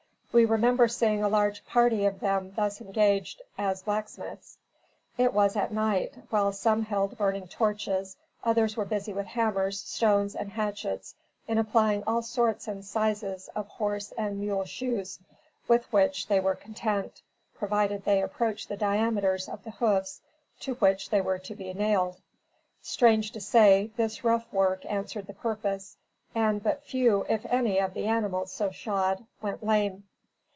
We remember seeing a large party of them thus engaged as blacksmiths. It was at night; while some held burning torches, others were busy with hammers, stones and hatchets in applying all sorts and sizes of horse and mule shoes, with which they were content, provided they approached the diameters of the hoofs to which they were to be nailed. Strange to say, this rough work answered the purpose, and but few, if any, of the animals so shod, went lame.